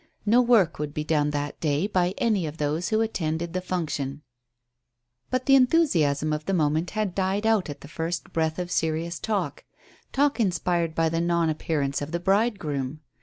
No work would be done that day by any of those who attended the function. But the enthusiasm of the moment had died out at the first breath of serious talk talk inspired by the non appearance of the bridegroom.